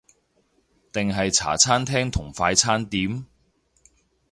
定係茶餐廳同快餐店？